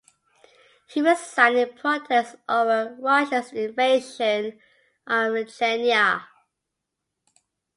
He resigned in protest over Russia's invasion of Chechnya.